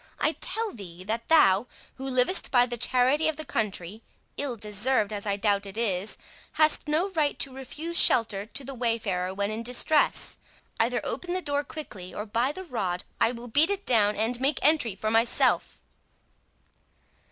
I tell thee, that thou, who livest by the charity of the country—ill deserved, as I doubt it is—hast no right to refuse shelter to the wayfarer when in distress. Either open the door quickly, or, by the rood, I will beat it down and make entry for myself."